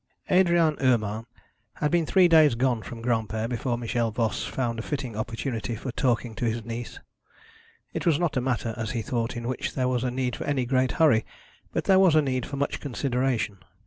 Adrian Urmand had been three days gone from Granpere before Michel Voss found a fitting opportunity for talking to his niece. It was not a matter, as he thought, in which there was need for any great hurry, but there was need for much consideration.